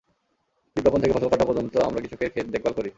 বীজ বপন থেকে ফসল কাটা পর্যন্ত আমরা কৃষকের খেত দেখভাল করি।